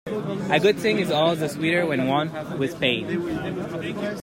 A good thing is all the sweeter when won with pain.